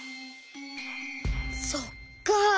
そっか。